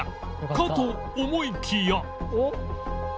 かと思いきや。